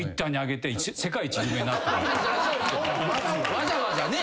わざわざね。